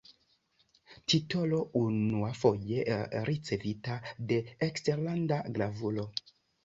Titolo unuafoje ricevita de eksterlanda gravulo.